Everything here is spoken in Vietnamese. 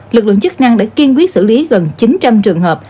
lực lượng chức năng đã kiên quyết xử lý gần chín trăm linh trường hợp